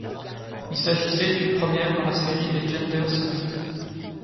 Il s'agissait d'une première dans la série des Gender Summit.